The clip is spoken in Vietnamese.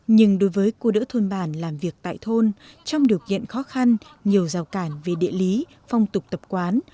nhưng đối với cô đỡ thôn bản làm việc tại thôn trong điều kiện khó khăn nhiều rào cản về địa lý phong tục tập quán